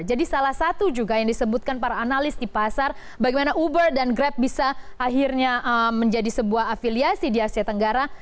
jadi salah satu juga yang disebutkan para analis di pasar bagaimana uber dan grab bisa akhirnya menjadi sebuah afiliasi di asia tenggara